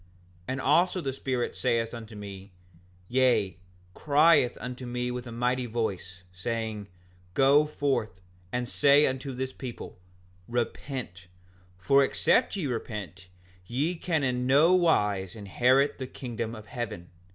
5:51 And also the Spirit saith unto me, yea, crieth unto me with a mighty voice, saying: Go forth and say unto this people—Repent, for except ye repent ye can in nowise inherit the kingdom of heaven.